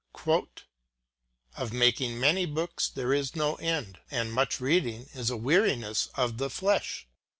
357 cxv. * Of making many books there is no end ; and much reading is a weariness of the flesh."